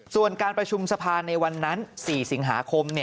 ส่วนการประชุมสภาในวันนั้น๔สิงหาคม